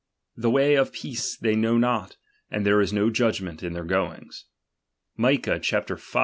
The way of peace they know »xot, and there is no judgment in their goings. ^^licah V.